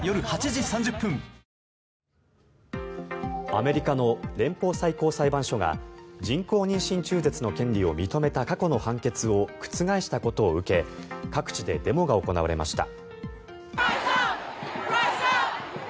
アメリカの連邦最高裁判所が人工妊娠中絶の権利を認めた過去の判決を覆したことを受け各地でデモが行われました。